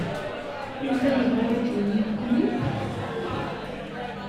Yuba yebɣa ad d-yini nekkni?